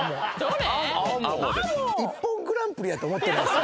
『ＩＰＰＯＮグランプリ』やと思ってます？